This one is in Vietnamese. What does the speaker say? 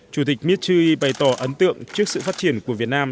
chủ tịch mitchi bày tỏ ấn tượng trước sự phát triển của việt nam